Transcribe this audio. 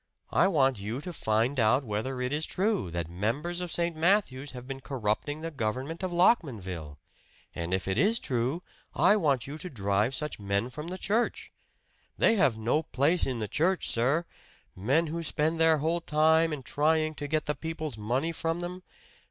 I want you to find out whether it is true that members of St. Matthew's have been corrupting the government of Lockmanville. And if it is true, I want you to drive such men from the church! They have no place in the church, sir! Men who spend their whole time in trying to get the people's money from them!